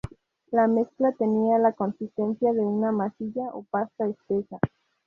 La mezcla tenía la consistencia de una masilla o pasta espesa.